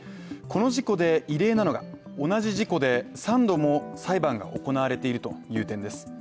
この事故で異例なのが、同じ事故で３度も裁判が行われているという点です。